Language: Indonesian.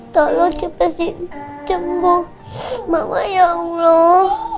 tolong cepet si cembuk mama ya allah